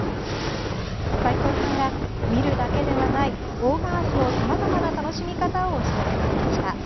斉藤さんが、見るだけではない大賀ハスのさまざまな楽しみ方を教えてくれました。